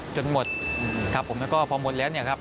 จนหมดครับผมแล้วก็พอหมดแล้วเนี่ยครับ